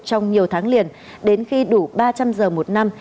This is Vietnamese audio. trong nhiều tháng liền đến khi đủ ba trăm linh giờ một năm